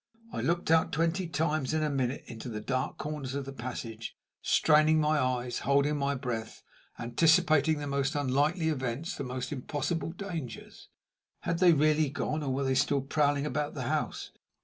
I looked out twenty times in a minute into the dark corners of the passage, straining my eyes, holding my breath, anticipating the most unlikely events, the most impossible dangers. Had they really gone, or were they still prowling about the house?